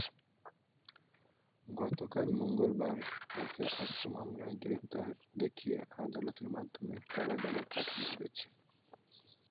গতকাল মঙ্গলবার তাঁকে অস্ত্র মামলায় গ্রেপ্তার দেখিয়ে আদালতের মাধ্যমে কারাগারে পাঠানো হয়েছে।